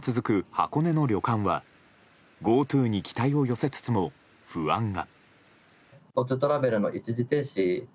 箱根の旅館はＧｏＴｏに期待を寄せつつも不安が。